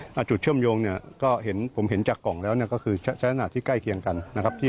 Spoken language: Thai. หนึ่งในสองจุดนะครับ